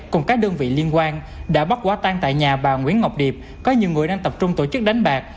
cùng các đơn vị liên quan đã bắt quá tan tại nhà bà nguyễn ngọc điệp có nhiều người đang tập trung tổ chức đánh bạc